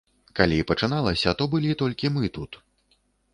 Калі пачыналася, то былі толькі мы тут.